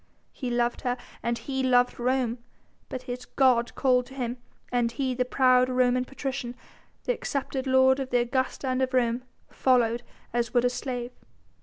He loved her and he loved Rome! But his god called to him and he, the proud Roman patrician, the accepted lord of the Augusta and of Rome, followed as would a slave.